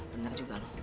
bener juga loh